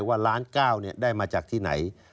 ว่าล้าน๙ได้มาจากที่ไหน